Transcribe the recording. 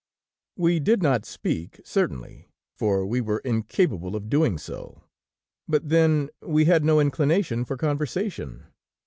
We did not speak, certainly, for we were incapable of doing so, but then we had no inclination for conversation.